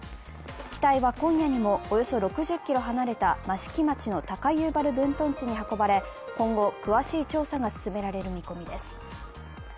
機体は今夜にもおよそ６０ｋｍ離れた益城町の高遊原分屯地に運ばれ今後詳しい調査が進められる見込みです。